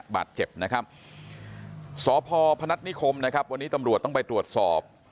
บาดเจ็บนะครับสพพนัฐนิคมนะครับวันนี้ตำรวจต้องไปตรวจสอบ